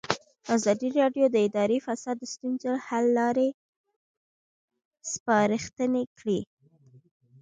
ازادي راډیو د اداري فساد د ستونزو حل لارې سپارښتنې کړي.